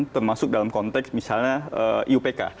termasuk dalam konteks misalnya iupk